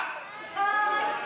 はい！